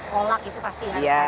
kolak itu pasti yang ada ya